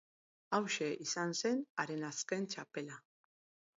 Hauxe izan zen haren azken txapela.